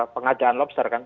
pengadaan lobster kan